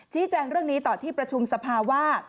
แจ้งเรื่องนี้ต่อที่ประชุมสภาว่า